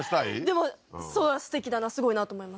でもそうすてきだなすごいなと思います